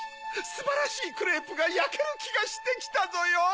すばらしいクレープがやけるきがしてきたぞよ！